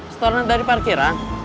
storannya tadi parkiran